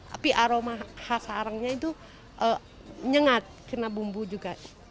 tapi aroma khas arangnya itu nyengat kena bumbu juga